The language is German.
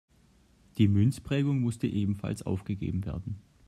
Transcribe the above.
Die Münzprägung musste ebenfalls aufgegeben werden.